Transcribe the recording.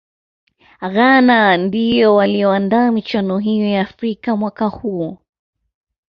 ghana ndiyo waliyoandaa michuano hiyo ya afrika mwaka huo